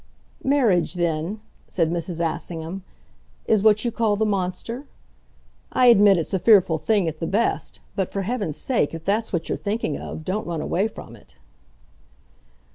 "Marriage then," said Mrs. Assingham, "is what you call the monster? I admit it's a fearful thing at the best; but, for heaven's sake, if that's what you're thinking of, don't run away from it."